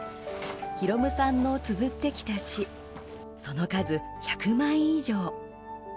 宏夢さんのつづってきた詩その数１００枚以上。